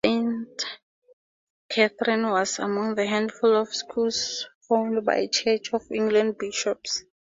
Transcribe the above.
Saint Catherine's was among a handful of schools founded by Church of England bishops.